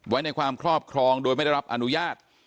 ไว้ในความครอบครองโดยไม่ได้รับอนุญาต